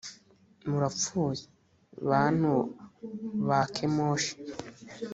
murapfuye, bantu ba kemoshi.